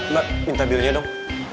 mbak minta bilnya dong